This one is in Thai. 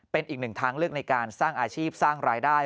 เป็นอีกหนึ่งทางเลือกในการสร้างอาชีพสร้างรายได้